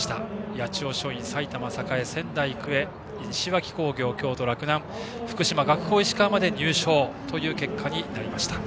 八千代松陰、埼玉栄、仙台育英西脇工業、洛南福島・学法石川まで入賞という結果になりました。